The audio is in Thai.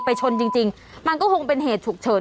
วันนี้จะเป็นวันนี้